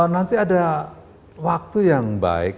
nanti ada waktu yang baik